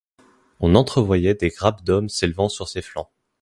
On entrevoyait des grappes d’hommes s’élevant sur ses flancs.